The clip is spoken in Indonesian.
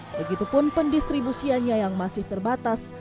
begitupun pendistribusiannya yang masih terbatas